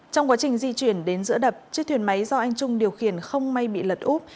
trong quá trình di chuyển đến giữa đập chiếc thuyền máy do anh trung điều khiển không may bị lật úp